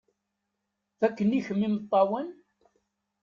Fakk-ikem imeṭṭawen!